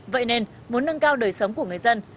vậy nên muốn nâng cao đời sống của người dân